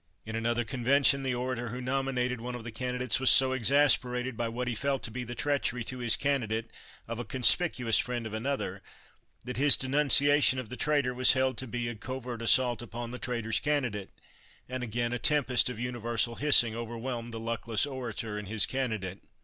In another convention the orator who nominated one of the candidates was so exasperated by what he felt to be the treachery to his candidate of a conspicuous friend of another that his denunciation of the traitor was held to be a covert assault upon the traitor's candidate, and again a tempest of universal hissing overwhelmed the luckless orator and his candidate.